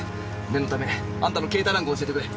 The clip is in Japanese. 念のためあんたの携帯番号教えてくれ。